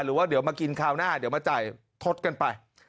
หรือว่าเดี๋ยวมากินคราวหน้าเดี๋ยวมาจ่ายทดกันไป